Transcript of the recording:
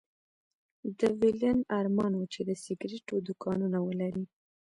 د ويلين ارمان و چې د سګرېټو دوکانونه ولري